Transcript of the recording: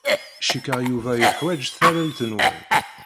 Cikkeɣ Yuba yeḥwaj tallalt-nwen.